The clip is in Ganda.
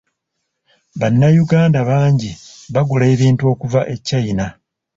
Bannayuganda bangi bagula ebintu okuva e China.